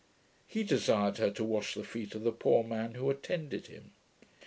He desired her to wash the feet of the poor man who attended him.